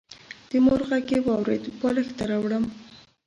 د مور غږ يې واورېد: بالښت دروړم.